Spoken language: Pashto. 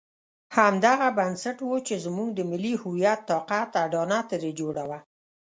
همدغه بنسټ وو چې زموږ د ملي هویت طاقت اډانه ترې جوړه وه.